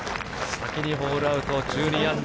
先にホールアウト、−１２。